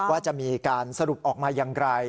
ว่าจะมีการสรุปออกมาอย่างไร